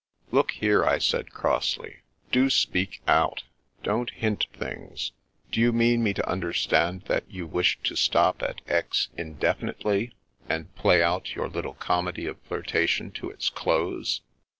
"Look here," I said crossly, "do speak out. Don't hint things. Do you mean me to understand that you wish to stop at Aix, indefinitely, and play out your little comedy of flirtation to its close